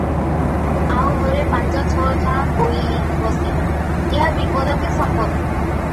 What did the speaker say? ଆଉ ଘରେ ପାଞ୍ଚ ଛ ଜଣ ପୋଇଲୀ ପଶିବେ, ଏହା ବିପଦ କି ସମ୍ପଦ ।